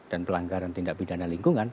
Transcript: dan pelanggaran tindak bidana lingkungan